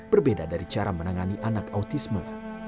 berbeda dari cara menangani anak autisme